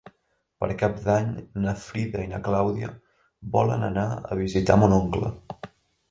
Per Cap d'Any na Frida i na Clàudia volen anar a visitar mon oncle.